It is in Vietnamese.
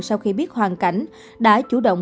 sau khi biết hoàn cảnh đã chủ động